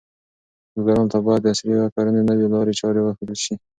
بزګرانو ته باید د عصري کرنې نوې لارې چارې وښودل شي.